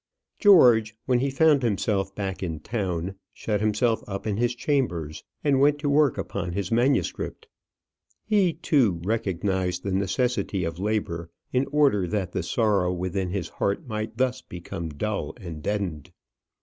George, when he found himself back in town, shut himself up in his chambers and went to work upon his manuscript. He, too, recognized the necessity of labour, in order that the sorrow within his heart might thus become dull and deadened.